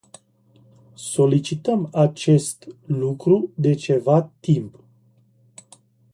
Solicităm acest lucru de ceva timp.